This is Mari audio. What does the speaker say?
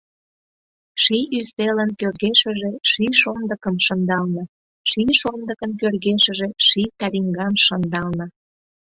Ший ӱстелын кӧргешыже Ший шондыкым шындална, Ший шондыкын кӧргешыже Ший талиҥгам шындална.